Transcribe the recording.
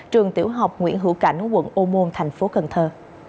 trường tiểu học nguyễn hữu cảnh quận ô môn thành phố cần thơ